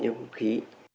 trong không khí